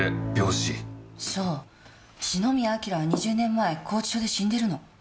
そう篠宮彬は２０年前拘置所で死んでるの。